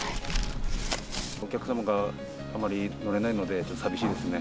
お客様が、あまり乗れないので、寂しいですね。